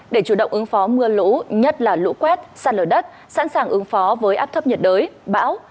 để chủ động ứng phó mưa lũ nhất là lũ quét sạt lở đất sẵn sàng ứng phó với áp thấp nhiệt đới bão